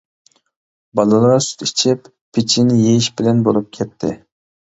بالىلار سۈت ئىچىپ، پېچىنە يېيىش بىلەن بولۇپ كەتتى.